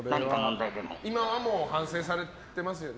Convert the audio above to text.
今は反省されてますよね？